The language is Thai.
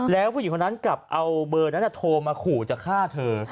แล้วผู้หญิงคนนั้นกลับเอาเบอร์นั้นโทรมาขู่จะฆ่าเธอ